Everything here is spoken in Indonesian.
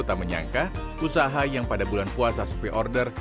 tak menyangka usaha yang pada bulan puasa sepi order